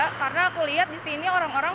karena aku lihat di sini orang orang